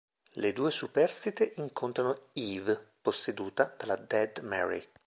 Le due superstite incontrano Eve, posseduta dalla Dead Mary.